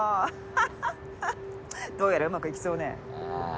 ハハッどうやらうまくいきそうね。